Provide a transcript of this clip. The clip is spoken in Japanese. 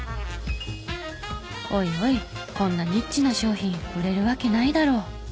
「おいおいこんなニッチな商品売れるわけないだろ」。